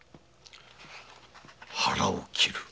腹を切る。